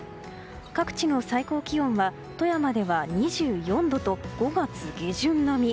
各地の最高気温は富山では２４度と５月下旬並み。